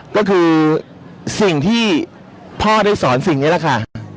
ก็คือสิ่งที่พ่อได้สอนสิ่งนี้แหละค่ะ